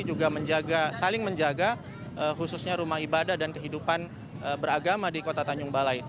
juga saling menjaga khususnya rumah ibadah dan kehidupan beragama di kota tanjung balai